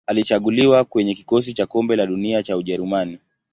Alichaguliwa kwenye kikosi cha Kombe la Dunia cha Ujerumani.